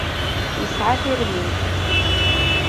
Yesɛa tirmit.